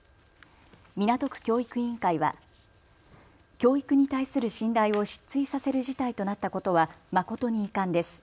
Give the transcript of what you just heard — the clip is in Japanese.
港区教育委員会は教育に対する信頼を失墜させる事態となったことは誠に遺憾です。